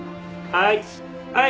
はい。